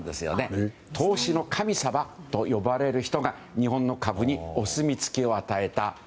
投資の神様と呼ばれる人が日本の株にお墨付きを与えた。